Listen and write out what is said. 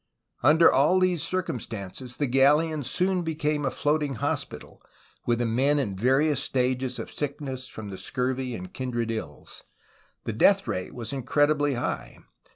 Under all these circumstances the galleon soon became a floating hospital, with the men in various stages of sick ness from the scurvy and kindred ills. The death rate was incredibly high.